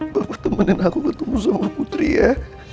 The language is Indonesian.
kau mau temenin aku ketemu sama putri ya